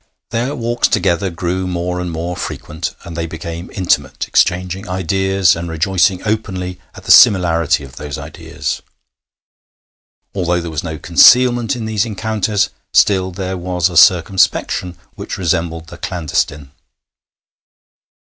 Their walks together grew more and more frequent, and they became intimate, exchanging ideas and rejoicing openly at the similarity of those ideas. Although there was no concealment in these encounters, still, there was a circumspection which resembled the clandestine.